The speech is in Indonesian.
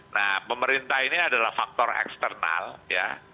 nah pemerintah ini adalah faktor eksternal ya